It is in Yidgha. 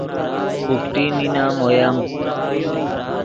بوخٹی نینم اویم